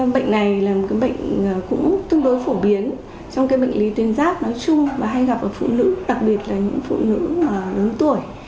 bệnh này là một bệnh cũng tương đối phổ biến trong bệnh lý tuyến giáp nói chung và hay gặp ở phụ nữ đặc biệt là những phụ nữ lớn tuổi